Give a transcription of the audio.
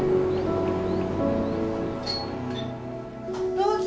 どうぞ。